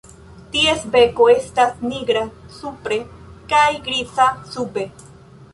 Ties beko estas nigra supre kaj griza sube.